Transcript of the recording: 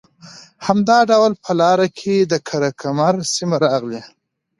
همدا ډول په لاره کې د قره کمر سیمه راغلې